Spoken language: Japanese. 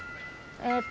えーっと。